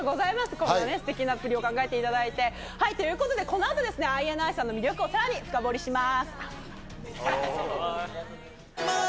こんなステキな振りを考えてくれて。ということでこの後、ＩＮＩさんの魅力をさらに深掘りします。